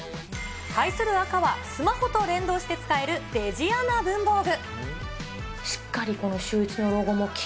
対する赤は、スマホと連動して使えるデジアナ文房具。